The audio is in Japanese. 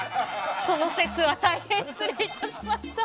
その節は大変失礼いたしました。